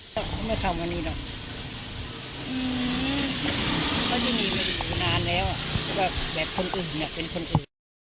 ก็ไม่เข้ามานี่หรอกอื้อเขาที่นี่มาอยู่นานแล้วก็แบบคนอื่นน่ะเป็นคนอื่น